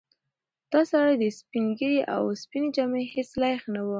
دا سړی د سپینې ږیرې او سپینې جامې هیڅ لایق نه و.